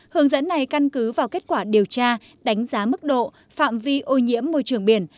hướng dẫn này căn cứ vào kết quả điều tra đánh giá mức độ phạm vi ô nhiễm môi trường biển